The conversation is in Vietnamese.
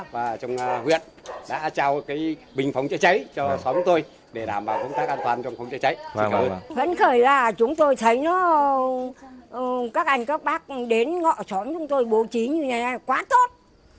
vẫn khởi ra chúng tôi thấy các anh các bác đến ngọn xóm chúng tôi bổ trí như thế này quá tốt